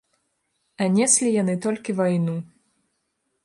А неслі яны толькі вайну.